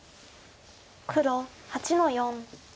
黒８の四。